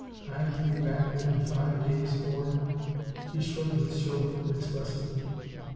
I am to be back within five days, or " he shrugged his shoulder expressively.